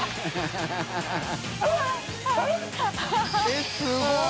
えっすごい！